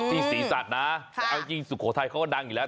ที่ศรีสัตว์นะเอาจริงสุโขทัยเขาก็ดังอีกแล้ว